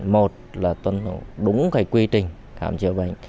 một là tuân thủ đúng quy trình khám chữa bệnh